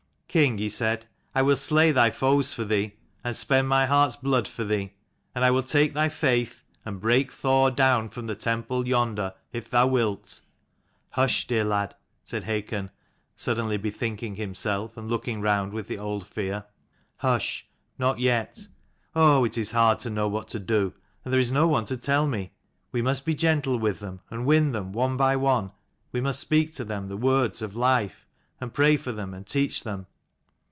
" King," he said, " I will slay thy foes for thee, and spend my heart's blood for thee. And I will take thy faith, and break Thor down from the temple yonder, if thou wilt." " Hush, dear lad," said Hakon, suddenly bethinking himself, and looking round with the old fear: "Hush, not yet. Oh, it is hard to know what to do. And there is no one to tell me. We must be gentle with them, and win them one by one : we must speak to them the words of life, and pray for them, and teach them."